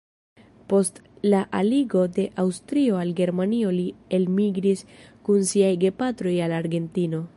Post la aligo de Aŭstrio al Germanio li elmigris kun siaj gepatroj al Argentino.